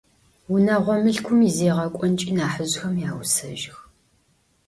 Унэгъо мылъкум изегъэкӏонкӏи нахьыжъхэм яусэжьых.